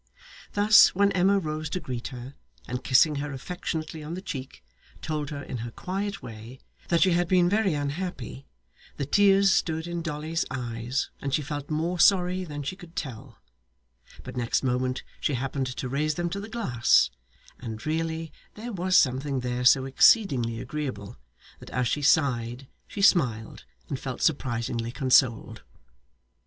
Thus, when Emma rose to greet her, and kissing her affectionately on the cheek, told her, in her quiet way, that she had been very unhappy, the tears stood in Dolly's eyes, and she felt more sorry than she could tell; but next moment she happened to raise them to the glass, and really there was something there so exceedingly agreeable, that as she sighed, she smiled, and felt surprisingly consoled.